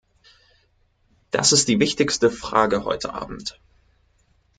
Das ist die wichtigste Frage heute Abend.